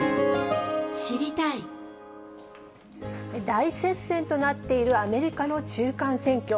大接戦となっているアメリカの中間選挙。